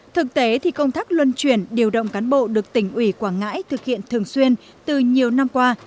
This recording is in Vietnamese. thực tế thì công tác luân chuyển điều động cán bộ được tỉnh ủy quảng ngãi thực hiện thường xuyên từ nhiều năm qua